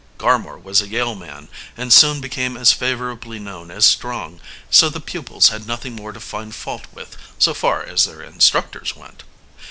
Garmore was a Yale man, and soon became as favorably known as Strong, so the pupils had nothing more to find fault with, so far as their instructors went.